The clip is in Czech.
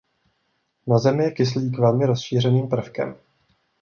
Na Zemi je kyslík velmi rozšířeným prvkem.